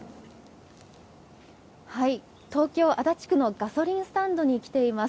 東京・足立区のガソリンスタンドに来ています。